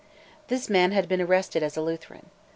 CV THIS man had been arrested as a Lutheran.